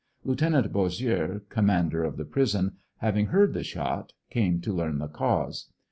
Lieut. Bossieux, commander of the prison, having heard the shot, came to learn the cause.